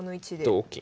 同金。